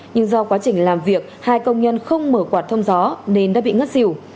nhưng do quá trình làm việc hai công nhân không mở quạt thông gió nên đã bị ngất xỉu